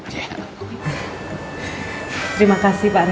terima kasih pak rizal